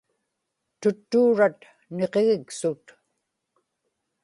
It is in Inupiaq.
tuttuurat niqigiksut